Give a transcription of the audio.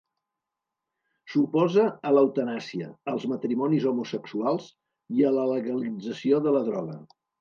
S'oposa a l'eutanàsia, als matrimonis homosexuals i a la legalització de la droga.